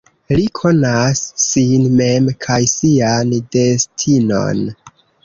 Li konas sin mem kaj sian destinon.